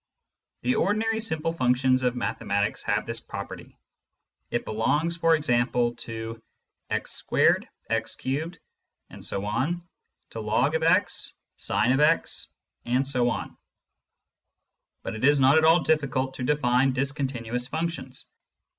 The ordinary simple functions of mathematics have this property : it belongs, for example, to x 2 , x 3 ,... log x, sin x, and so on. But it is not at all difficult to define discontinuous functions.